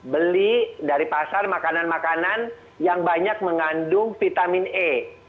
beli dari pasar makanan makanan yang banyak mengandung vitamin e